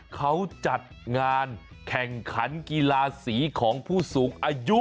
เขาจัดงานแข่งขันกีฬาสีของผู้สูงอายุ